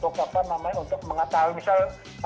untuk mengetahui misalnya